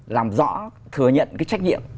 làm rõ thừa nhận cái trách nhiệm